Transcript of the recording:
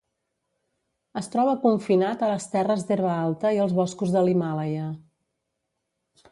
Es troba confinat a les terres d'herba alta i als boscos de l'Himàlaia.